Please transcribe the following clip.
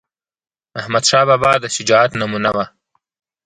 احمدشاه بابا د شجاعت نمونه وه..